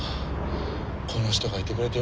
この人がいてくれてよかったよ。